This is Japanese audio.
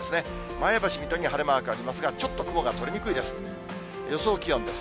前橋、水戸に晴れマークがありますが、ちょっと雲が取れにくいです。